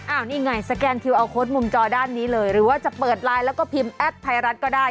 อันนี้ไงสแกนทิวเอาโค้ดมุมจอด้านนี้เลยหรือว่าจะเปิดไลน์แล้วก็พิมพ์แอดไทยรัฐก็ได้